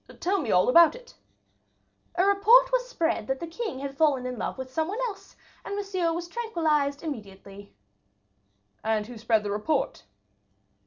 "Tell me all about it." "A report was spread that the king had fallen in love with some one else, and Monsieur was tranquillized immediately." "And who spread the report?"